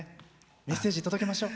メッセージ、届けましょう。